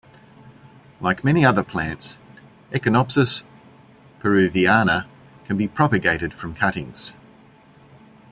Like many other plants, "Echinopsis peruviana" can be propagated from cuttings.